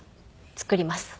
作ります。